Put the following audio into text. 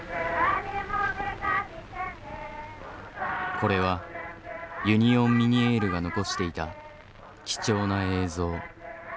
これはユニオン・ミニエールが残していた貴重な映像。